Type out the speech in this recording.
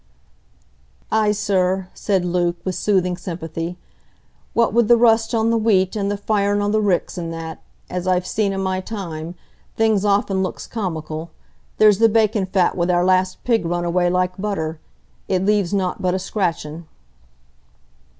"Ay, sir," said Luke, with soothing sympathy, "what wi' the rust on the wheat, an' the firin' o' the ricks an' that, as I've seen i' my time,—things often looks comical; there's the bacon fat wi' our last pig run away like butter,—it leaves nought but a scratchin'."